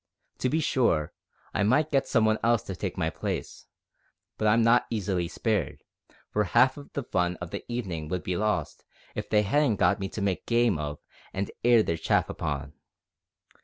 To be sure, I might get some one else to take my place, but I'm not easily spared, for half the fun o' the evenin' would be lost if they hadn't got me to make game of and air their chaff upon.